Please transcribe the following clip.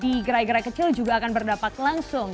di gerai gerai kecil juga akan berdampak langsung